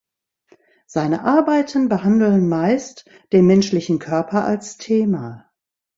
Seine Arbeiten behandeln meist den menschlichen Körper als Thema.